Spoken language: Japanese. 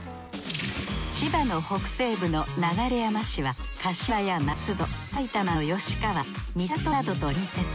千葉の北西部の流山市は柏や松戸埼玉の吉川三郷などと隣接。